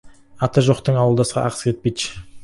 Аты жоқтың ауылдасқа ақысы кетпейді.